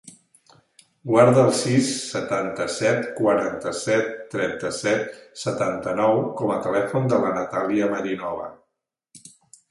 Guarda el sis, setanta-set, quaranta-set, trenta-set, setanta-nou com a telèfon de la Natàlia Marinova.